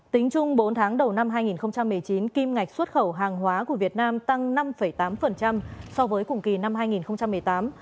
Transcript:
tính chung bốn tháng đầu năm hai nghìn một mươi chín kim ngạch xuất khẩu hàng hóa của việt nam tăng năm tám so với cùng kỳ năm hai nghìn một mươi tám